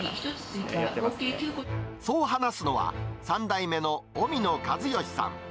そう話すのは、３代目の小美濃一喜さん。